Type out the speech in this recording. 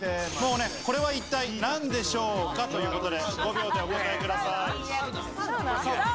これは一体何でしょうかということで、５秒でお答えください。